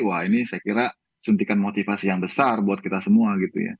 wah ini saya kira suntikan motivasi yang besar buat kita semua gitu ya